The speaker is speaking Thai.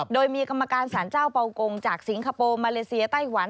โดยมีกรรมการสารเจ้าเป่ากงจากสิงคโปร์มาเลเซียไต้หวัน